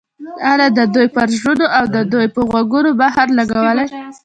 الله د دوى پر زړونو او د دوى په غوږونو مهر لګولى